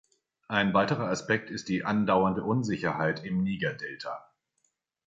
Ein weiterer Aspekt ist die andauernde Unsicherheit im Niger-Delta.